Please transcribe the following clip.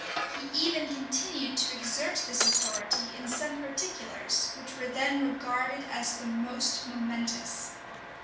He even continued to exert this authority in some particulars, which were then regarded as the most momentous.